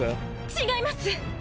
違います！